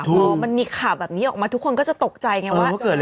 พอมันมีข่าวแบบนี้ออกมาทุกคนก็จะตกใจไงว่า